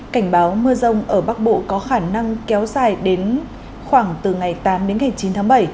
cảnh báo mưa rông ở bắc bộ có khả năng kéo dài đến khoảng từ ngày tám đến ngày chín tháng bảy